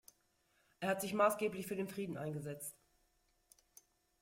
Er hat sich maßgeblich für den Frieden eingesetzt.